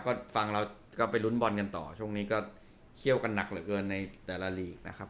ก็ฟังเราก็ไปลุ้นบอลกันต่อช่วงนี้ก็เคี่ยวกันหนักเหลือเกินในแต่ละลีกนะครับ